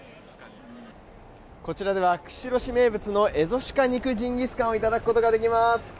こちらでは釧路市名物のエゾシカ肉ジンギスカンをいただくことができます。